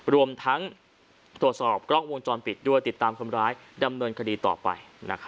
รวมทั้งตรวจสอบกล้องวงจรปิดด้วยติดตามคนร้ายดำเนินคดีต่อไป